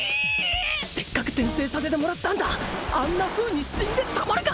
せっかく転生させてもらったんだあんなふうに死んでたまるか！